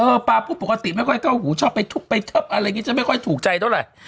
ปลาพูดปกติไม่ค่อยเข้าหูชอบไปทุบไปเทิบอะไรอย่างนี้จะไม่ค่อยถูกใจเท่าไหร่